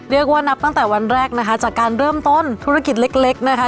เรียกว่านับตั้งแต่วันแรกนะคะจากการเริ่มต้นธุรกิจเล็กเล็กนะคะ